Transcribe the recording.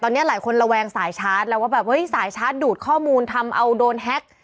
ตอนนี้หลายคนระแวงสายชาร์จแล้วว่าแบบเฮ้ยสายชาร์จดูดข้อมูลทำเอาโดนแฮ็ก